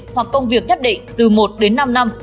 hoặc công việc nhất định từ một đến năm năm